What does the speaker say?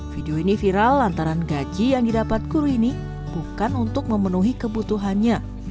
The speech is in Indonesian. video ini viral lantaran gaji yang didapat guru ini bukan untuk memenuhi kebutuhannya